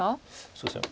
そうですね。